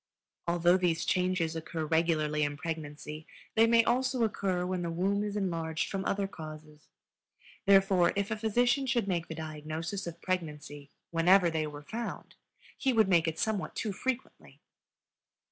Although these changes occur regularly in pregnancy, they may also occur when the womb is enlarged from other causes; therefore, if a physician should make the diagnosis of pregnancy whenever they were found, he would make it somewhat too frequently.